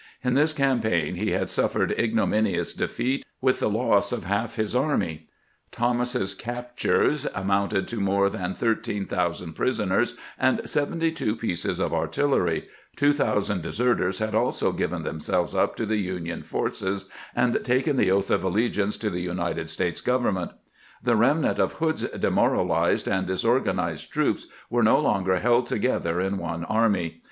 In this campaign he had suffered ignominious defeat, with the loss of half his army. Thomas's captures amounted to more than 13,000 pris oners and 72 pieces of artillery; 2000 deserters had also given themselves up to the Union forces, and taken the THOMAS CEUSHES HOOD 351 oatli of allegiance to tlie United States government. The remnant of Hood's demoralized and disorganized troops were no longer held together in one army.